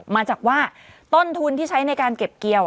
มาจากว่าต้นทุนที่ใช้ในการเก็บเกี่ยว